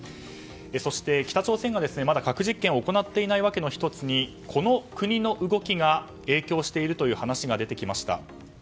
そして、北朝鮮がまだ核実験を行っていない訳の１つにこの国の動きが影響しているという話が出てきました。